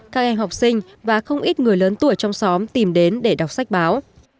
các em học sinh và không ít người lớn tuổi trong xóm tìm đến để đọc sách báo